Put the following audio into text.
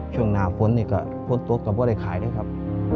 ช่วงหน้าฝนนี่ก็ฝนตกก็ไม่ได้ขายเลยครับ